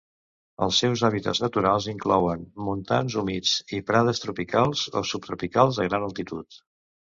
Els seus hàbitats naturals inclouen montans humits i prades tropicals o subtropicals a gran altitud.